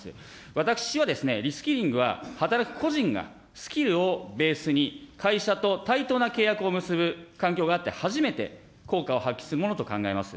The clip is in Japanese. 私はリスキリングは働く個人がスキルをベースに会社と対等な契約を結ぶ環境があって初めて効果を発揮するものと考えます。